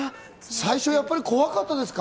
最初はやっぱり怖かったですか？